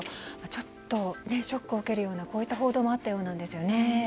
ちょっとショックを受けるようなこういった報道もあったようです。